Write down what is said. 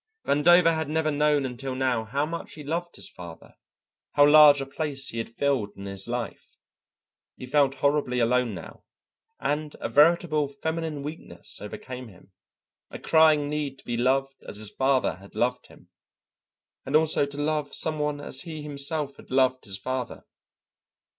Vandover had never known until now how much he loved his father, how large a place he had filled in his life. He felt horribly alone now, and a veritable feminine weakness overcame him, a crying need to be loved as his father had loved him, and also to love some one as he himself had loved his father.